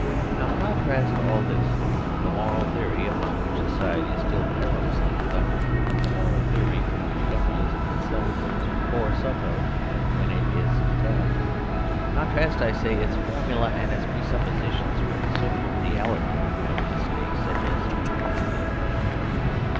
Now contrast all this, the moral theory upon which society is still perilously conducted, the moral theory to which Capitalism itself turns for succour when it is attacked, contrast, I say, its formulae and its pre suppositions with the social reality of a Capitalist State such as is England to day.